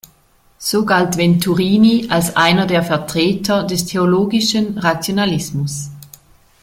So galt Venturini als einer der Vertreter des theologischen Rationalismus.